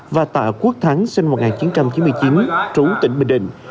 và tạ quốc thắng sinh năm một nghìn chín trăm chín mươi chín trú tỉnh bình định